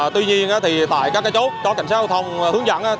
tuy nhiên tại các chỗ có cảnh sát giao thông hướng dẫn